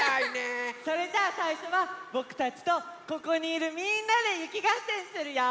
それじゃあさいしょはぼくたちとここにいるみんなでゆきがっせんするよ。